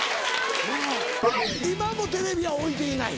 今もテレビは置いていない。